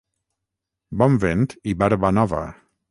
Bon vent i barba nova!